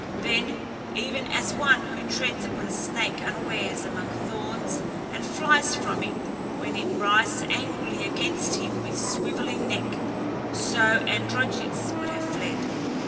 Then even as one who treads upon a snake unawares among thorns and flies from it when it rises angrily against him with swelling neck, so Androgeos would have fled.